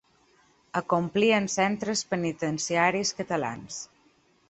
Acomplir en centres penitenciaris catalans.